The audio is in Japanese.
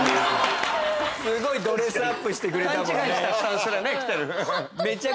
すごいドレスアップしてくれたもんね。